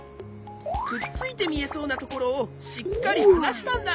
くっついてみえそうなところをしっかりはなしたんだ。